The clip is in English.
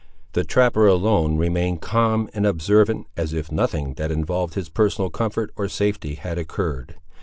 The trapper alone remained calm and observant, as if nothing that involved his personal comfort or safety had occurred.